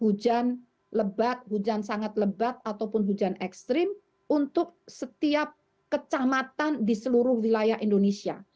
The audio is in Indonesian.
hujan lebat hujan sangat lebat ataupun hujan ekstrim untuk setiap kecamatan di seluruh wilayah indonesia